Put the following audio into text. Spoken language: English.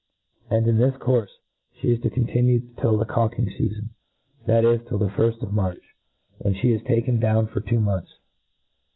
And in this courfe Ihc is to continue till the cawking feafon, that is, till the firft of March, when fhe is taken down for two months.